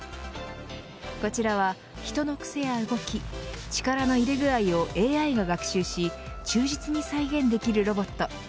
こちらは、人のくせや動き力の入れ具合をＡＩが学習し忠実に再現できるロボット。